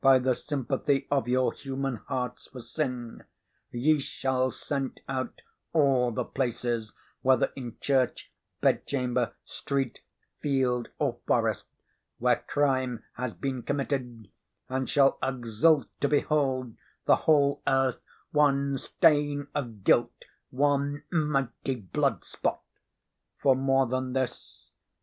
By the sympathy of your human hearts for sin ye shall scent out all the places—whether in church, bedchamber, street, field, or forest—where crime has been committed, and shall exult to behold the whole earth one stain of guilt, one mighty blood spot. Far more than this.